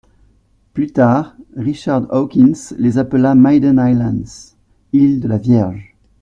Plus tard, Richard Hawkins les appela Maiden-Islands, îles de la Vierge.